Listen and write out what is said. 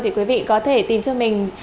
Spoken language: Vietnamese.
thì quý vị có thể tìm cho mình